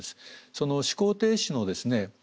その思考停止のですね